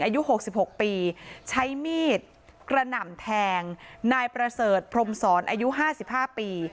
อายุ๖๖ปีใช้มีดกระหน่ำแทงนายประเสริฐพรมศรอายุ๕๕ปี